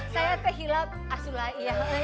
saya kehilap asulaiyah